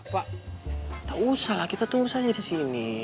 pak tak usah lah kita tunggu saja disini